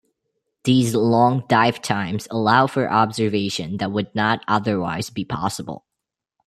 These long dive times allow for observation that would not otherwise be possible.